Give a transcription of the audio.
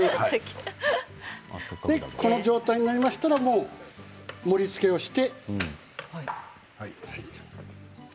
この状態になりましたら盛りつけをして。